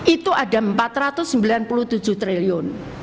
itu ada empat ratus sembilan puluh tujuh triliun